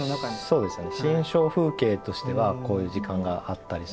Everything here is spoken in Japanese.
そうですね。